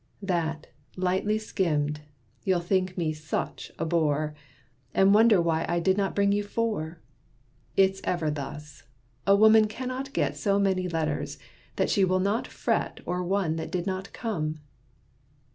That, lightly skimmed, you'll think me such a bore, And wonder why I did not bring you four. It's ever thus: a woman cannot get So many letters that she will not fret O'er one that did not come."